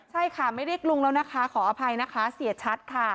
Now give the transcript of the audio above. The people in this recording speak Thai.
ใช่ค่ะไม่ได้กรุงแล้วนะคะขออภัยนะคะเสียชัดค่ะ